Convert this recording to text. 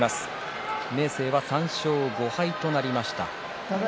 明生は３勝５敗になりました。